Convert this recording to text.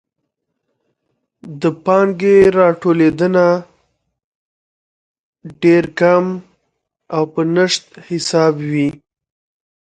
د پانګې راټولیدنه ډېر کم او په نشت حساب وي.